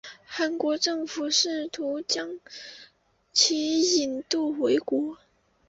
韩国政府试图将其引渡回国。